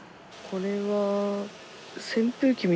これは。